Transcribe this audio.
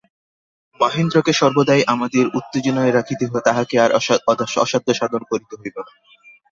মহেন্দ্রকে সর্বদাই আমোদের উত্তেজনায় রাখিতে তাহাকে আর অসাধ্যসাধন করিতে হইত না।